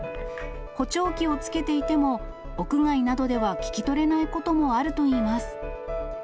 補聴器をつけていても、屋外などでは聞き取れないこともあるといいます。